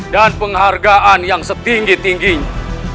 dan penghargaan yang setinggi tingginya